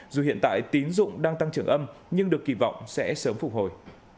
dù hiện tại tín dụng đang tăng trưởng âm nhưng được kỳ vọng sẽ sớm phục hồi